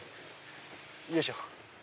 よいしょ。